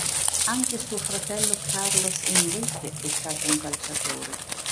Anche suo fratello Carlos Enrique è stato un calciatore.